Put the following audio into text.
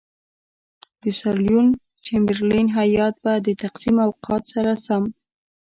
د سر لیوین چمبرلین هیات به د تقسیم اوقات سره سم.